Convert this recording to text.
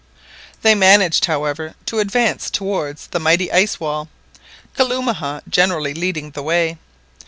They managed, however, to advance towards the mighty ice wall, Kalumah generally leading the way.